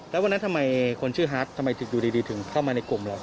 แล้ววันนั้นทำไมคนชื่อฮาร์ดทำไมอยู่ดีถึงเข้ามาในกลุ่มเรา